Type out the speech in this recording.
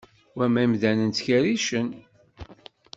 Wamma, imdanen ttkerricen